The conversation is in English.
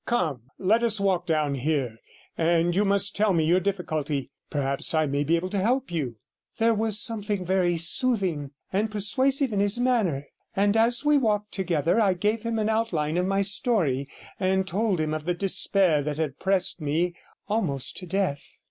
Come, let us walk down here and you must tell me your difficulty. Perhaps I may be able to help you.' There was something very soothing and persuasive in his manner, and as we walked together I gave him an outline of my story, and told of the despair that had oppressed me almost to death.